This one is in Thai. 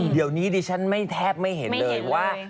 เดี๋ยวนี้ดิฉันไม่แทบไม่เห็นเลยว่า